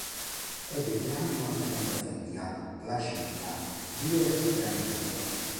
Ebbe poi anche una seconda figlia, Placidia, due o tre anni dopo.